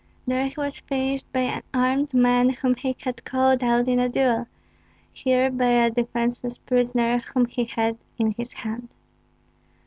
There he was finished by an armed man whom he had called out in a duel, here by a defenceless prisoner whom he had in his hand.